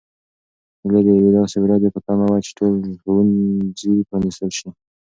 هیلې د یوې داسې ورځې په تمه وه چې ټول ښوونځي پرانیستل شي.